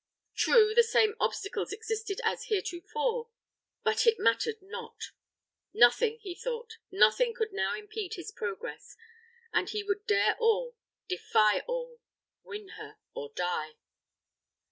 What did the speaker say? True, the same obstacles existed as heretofore; but it mattered not Nothing, he thought, nothing now could impede his progress; and he would dare all, defy all, win her, or die.